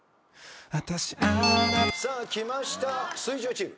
さあきました水１０チーム。